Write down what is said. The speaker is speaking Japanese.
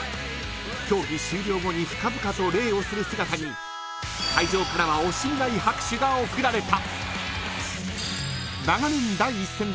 ［競技終了後に深々と礼をする姿に会場からは惜しみない拍手が送られた］